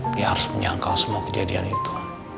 dia harus menyangkal semua kejadian itu